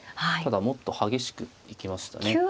ただもっと激しくいきましたね。